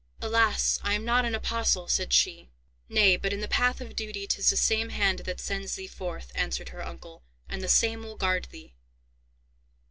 "Alas! I am not an apostle," said she. "Nay, but, in the path of duty, 'tis the same hand that sends thee forth," answered her uncle, "and the same will guard thee."